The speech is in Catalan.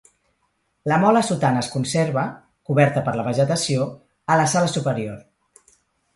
La mola sotana es conserva, coberta per la vegetació, a la sala superior.